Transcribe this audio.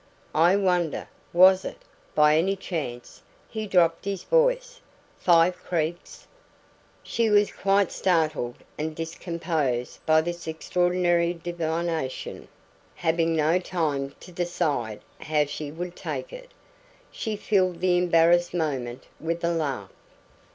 "I wonder. Was it, by any chance" he dropped his voice "Five Creeks?" She was quite startled and discomposed by this extraordinary divination; having no time to decide how she would take it, she filled the embarrassed moment with a laugh.